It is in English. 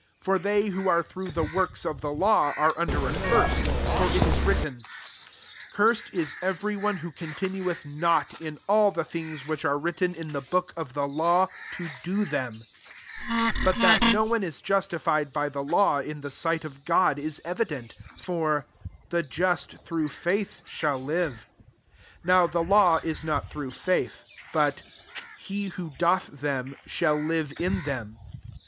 10 For they who are through the works of the law, are under a curse : for it is writ ten, " Cursed ia every one who continueth not in all the things which are written in the book of the law, to do them." 11 But that no one is justifi ed by the law in the sight of God, ia evident : for " the just through faith shall live. 12 Now the law is not through faith: but " he who doth them, shall j live in them."